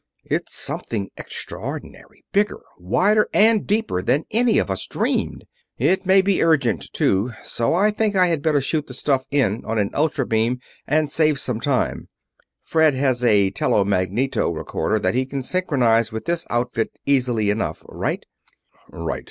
"It's something extraordinary bigger, wider, and deeper than any of us dreamed. It may be urgent, too, so I think I had better shoot the stuff in on an ultra beam and save some time. Fred has a telemagneto recorder there that he can synchronize with this outfit easily enough. Right?" "Right.